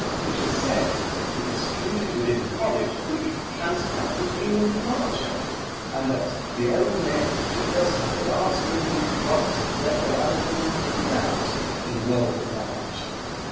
It was said that the seclusion within the college would be tantamount to penal departure, and that the old men should thus have the last lingering drops of breath allowed them, without, in the world at large.